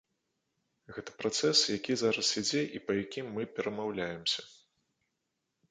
Гэта працэс, які зараз ідзе і па якім мы перамаўляемся.